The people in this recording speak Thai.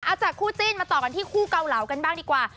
เอาจากคู่จิ้นมาต่อกันที่คู่เกาเหลากันบ้างดีกว่า